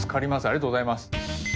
ありがとうございます。